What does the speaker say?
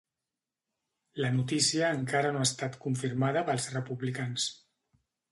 La notícia encara no ha estat confirmada pels republicans